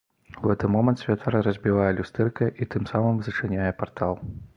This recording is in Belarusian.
У гэты момант святар разбівае люстэрка і тым самым зачыняе партал.